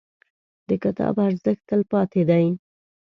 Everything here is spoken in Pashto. • د کتاب ارزښت، تلپاتې دی.